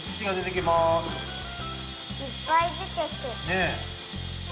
ねえ！